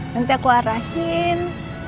nanti aku arahin